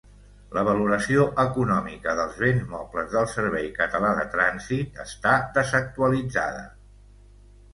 La valoració econòmica dels béns mobles del Servei Català de Trànsit està desactualitzada.